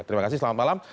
terima kasih selamat malam